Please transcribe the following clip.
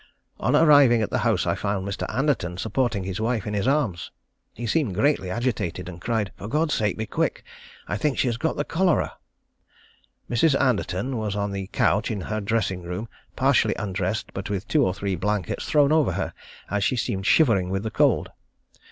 On arriving at the house I found Mr. Anderton supporting his wife in his arms. He seemed greatly agitated, and cried, "For God's sake be quick I think she has got the cholera!" Mrs. Anderton was on the couch in her dressing room, partially undressed, but with two or three blankets thrown over her, as she seemed shivering with the cold.